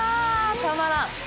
たまらん。